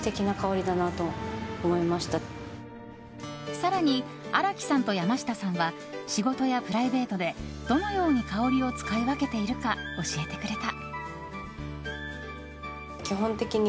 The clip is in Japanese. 更に、新木さんと山下さんは仕事やプライベートでどのように香りを使い分けているか教えてくれた。